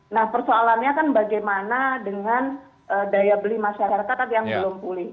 nah persoalannya kan bagaimana dengan daya beli masyarakat yang belum pulih